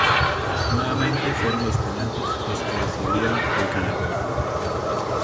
Nuevamente fueron los penaltis los que decidieron al ganador.